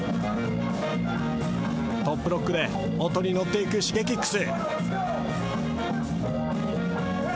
トップロックで音に乗っていくＳｈｉｇｅｋｉｘ。